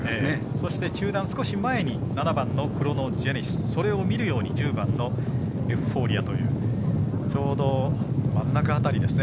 そして、中団、少し前に７番クロノジェネシスそれを見るように１０番のエフフォーリアというちょうど真ん中辺りですね。